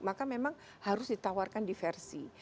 maka memang harus ditawarkan diversi